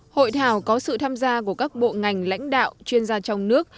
hội thảo có sự tham gia của các bộ ngành lãnh đạo chuyên gia trong nước